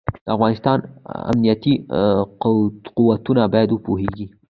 د افغانستان امنيتي قوتونه بايد وپوهېږي.